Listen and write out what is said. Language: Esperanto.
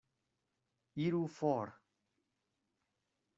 Iru for!